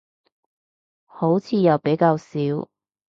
好似又比較少